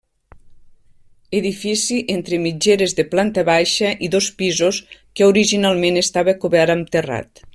Edifici entre mitgeres de planta baixa i dos pisos que originalment estava cobert amb terrat.